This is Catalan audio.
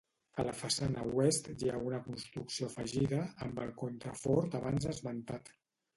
A la façana oest hi ha una construcció afegida, amb el contrafort abans esmentat.